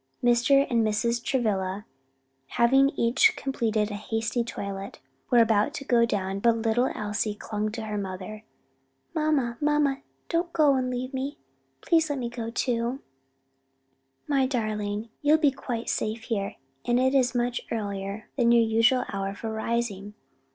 Mr. and Mrs. Travilla, having each completed a hasty toilet, were about to go down; but little Elsie clung to her mother. "Mamma, mamma, don't go and leave me! please let me go too." "My darling, you would be quite safe here; and it is much earlier than your usual hour for rising."